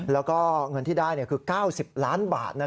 แล้วก็เงินที่ได้คือ๙๐ล้านบาท